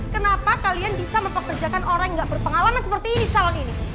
kenapa kalian bisa mempekerjakan orang yang gak berpengalaman seperti ini calon ini